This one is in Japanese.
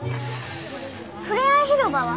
触れ合い広場は？